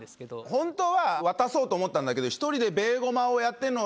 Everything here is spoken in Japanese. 本当は渡そうと思ったんだけど。